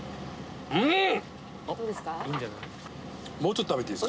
うん！